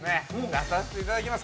出させていただきます。